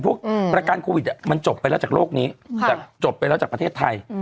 ประกันโควิดมันจบไปแล้วจากโลกนี้จากจบไปแล้วจากประเทศไทย